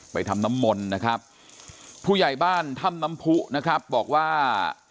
ทำน้ำมนต์นะครับผู้ใหญ่บ้านถ้ำน้ำผู้นะครับบอกว่า